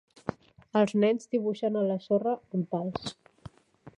Els nens dibuixen a la sorra amb pals.